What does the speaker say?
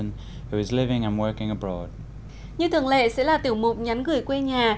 như thường lệ sẽ là tiểu mục nhắn gửi quê nhà